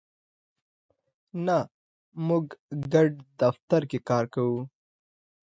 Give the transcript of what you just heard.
نه، موږ ګډ دفتر کی کار کوو